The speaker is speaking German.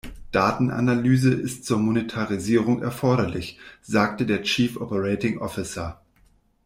Datenanalyse ist zur Monetarisierung erforderlich, sagte der Chief Operating Officer.